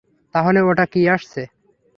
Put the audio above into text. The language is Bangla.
তাহলে, ওটা কি আসছে?